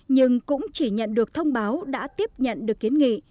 nhưng cũng chỉ nhận được thông báo đã tiếp nhận được kiến nghị